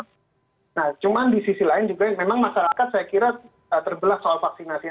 nah cuman di sisi lain juga memang masyarakat saya kira terbelah soal vaksinasi